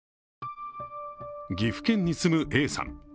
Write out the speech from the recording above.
岐阜県に住むＡさん。